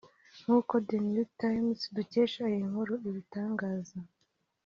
nk’uko The New Times dukesha iyi nkuru ibitangaza